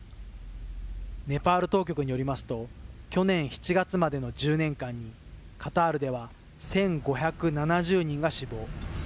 ネパール当局によりますと、去年７月までの１０年間に、カタールでは１５７０人が死亡。